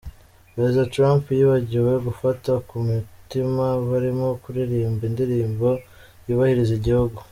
Perezida Trump yibagiwe gufata ku mutima barimo kuririmba indirimbo yubahiriza igihugu.